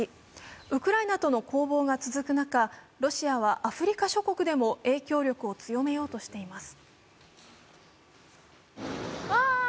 ウクライナとの攻防が続く中、ロシアはアフリカ諸国でも影響力を強めようとしています。